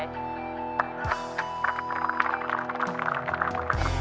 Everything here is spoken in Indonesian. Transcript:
tidak ada yang menanggung